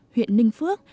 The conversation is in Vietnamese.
huyện ninh phước